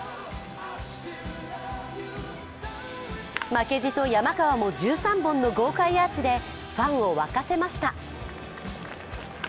負けじと山川も１３本の豪快アーチでファンを沸かせました。